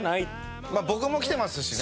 まあ僕も来てますしね。